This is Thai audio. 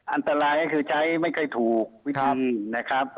อันตรายก็คือใช้ไม่ค่อยถูกวิธีนะครับ